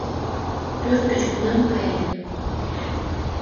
Пӧрт гыч кунам каен?